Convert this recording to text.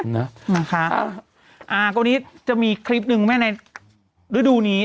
วันนี้จะมีคลิปนึงแม่ในรื่ดูนี้